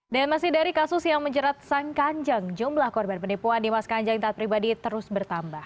dan masih dari kasus yang menjerat sang kanjeng jumlah korban penipuan di mas kanjeng taat pribadi terus bertambah